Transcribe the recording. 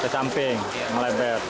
ke samping melebar